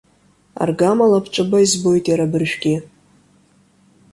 Аргама лабҿаба избоит иара абыржәгьы!